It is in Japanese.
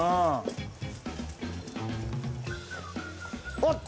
あっ！